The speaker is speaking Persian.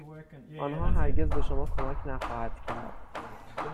آنها هرگز به شما کمک نخواهد کرد.